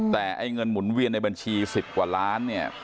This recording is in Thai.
แต่ไอ้เงินหมุนเวียนในบัญชี๑๐กว่าล้านเนี่ย